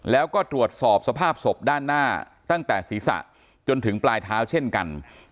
แล้วก็ตรวจสอบสภาพศพด้านหน้าตั้งแต่ศีรษะจนถึงปลายเท้าเช่นกัน